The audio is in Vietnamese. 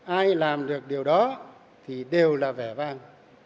ai làm được điều đó thì đều là vẻ vang